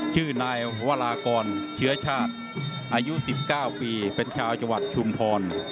ชื่อนายวรากรเชื้อชาติอายุ๑๙ปีเป็นชาวจังหวัดชุมพร